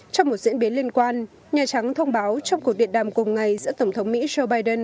trong một diễn biến liên quan nhà trắng thông báo trong cuộc điện đàm cùng ngày giữa tổng thống mỹ joe biden